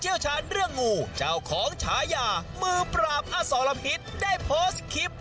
ชาญเรื่องงูเจ้าของฉายามือปราบอสรพิษได้โพสต์คลิป